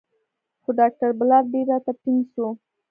خو ډاکتر بلال ډېر راته ټينګ سو.